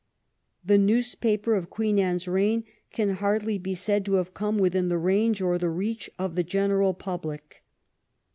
The newspaper of Queen Anne's reign can hardly be said to have come within the range or the reach of the general public.